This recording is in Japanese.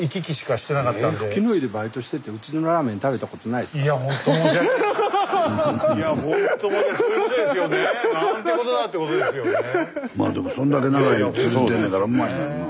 スタジオまあでもそんだけ長いの続いてんねんからうまいんやろな。